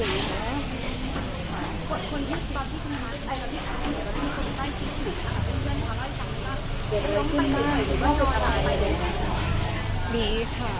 กรรทร์